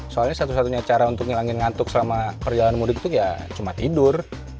soalnya satu satunya cara untuk ngilangin ngantuk selama perjalanan mudik itu ya cuma tidur